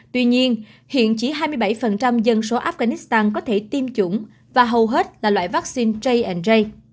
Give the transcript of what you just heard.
tuy nhiên hiện chỉ hai mươi bảy dân số afghanistan có thể tiêm chủng và hầu hết là loại vaccine j